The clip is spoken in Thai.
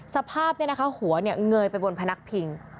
สภาพหัวเงยไปบนพนักพิง